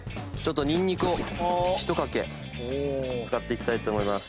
ニンニクをひとかけ使っていきたいと思います。